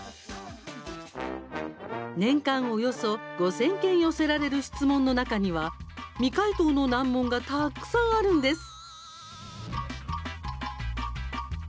年間およそ５０００件寄せられる質問の中には未回答の難問がたくさんあるんです。